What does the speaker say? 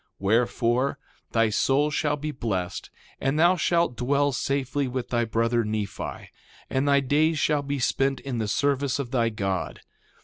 2:3 Wherefore, thy soul shall be blessed, and thou shalt dwell safely with thy brother, Nephi; and thy days shall be spent in the service of thy God.